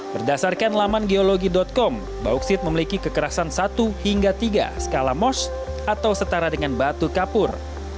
berdasarkan laman geologi com bauksit memiliki kekerasan satu hingga tiga skala most atau setara dengan batu kapur